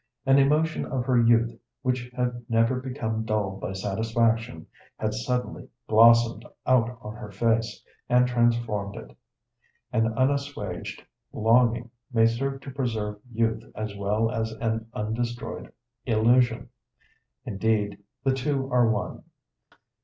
An emotion of her youth which had never become dulled by satisfaction had suddenly blossomed out on her face, and transformed it. An unassuaged longing may serve to preserve youth as well as an undestroyed illusion; indeed, the two are one.